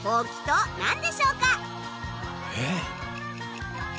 えっ？